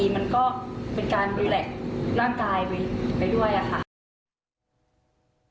มันก็เป็นการดูแลร่างกายไปด้วยค่ะ